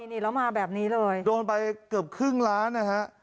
นี่แล้วมาแบบนี้เลยโดนไปเกือบครึ่งล้านนะฮะ